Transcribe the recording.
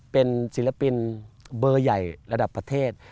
เป็นศิลปินเบอร์ใหญ่ระดับประเทศ